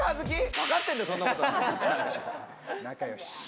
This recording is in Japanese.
分かってんだよ、そんなこと。